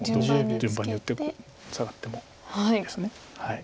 順番に打ってサガっても死にです。